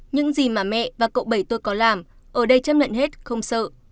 những gì mà mẹ và cậu bảy tôi có làm ở đây chấp nhận hết không sợ